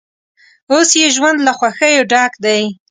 اوس یې ژوند له خوښیو ډک دی.